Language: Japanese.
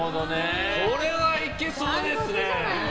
これはいけそうですね。